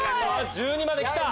１２まできた！